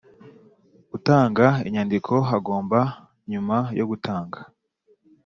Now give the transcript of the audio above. Utanga inyandiko agomba nyuma yo gutanga